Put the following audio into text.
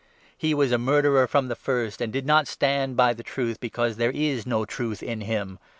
He was a murderer from the first, and did not stand by the truth, because there is no truth in him.